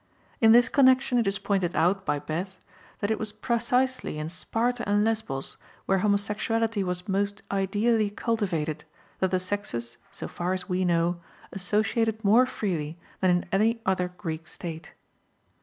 In this connection it is pointed out by Bethe that it was precisely in Sparta and Lesbos, where homosexuality was most ideally cultivated, that the sexes, so far as we know, associated more freely than in any other Greek State.